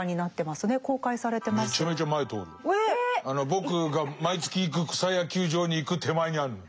僕が毎月行く草野球場に行く手前にあるの。